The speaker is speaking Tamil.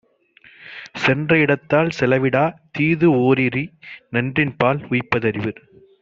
சென்ற இடத்தால் செலவிடா, தீது ஒரீஇ, நன்றின்பால் உய்ப்பது அறிவு.